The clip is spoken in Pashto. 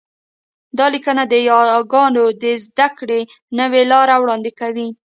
دا لیکنه د یاګانو د زده کړې نوې لار وړاندې کوي